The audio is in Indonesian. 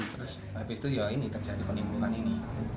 tapi itu ya ini tak bisa di peninggungan ini